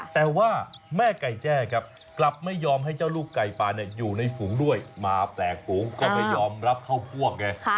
แต่ว่าแม่ไก่แจ้ครับกลับไม่ยอมให้เจ้าลูกไก่ปลาอยู่ในฝูงด้วยมาแปลกฝูงก็ไม่ยอมรับเข้าพวกไง